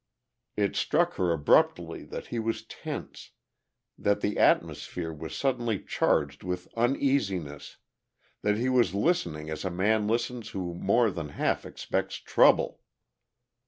It struck her abruptly that he was tense, that the atmosphere was suddenly charged with uneasiness, that he was listening as a man listens who more than half expects trouble.